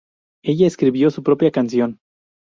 Ella escribió su propia canción.